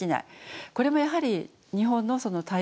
これもやはり日本の多様性